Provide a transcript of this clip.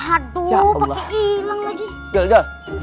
aduh pak kek ilang lagi